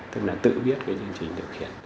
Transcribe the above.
tức là tự viết cái nhóm nghiên cứu